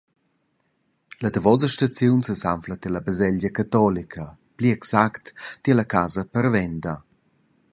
La davosa staziun sesanfla tier la baselgia catolica, pli exact tier la casa parvenda.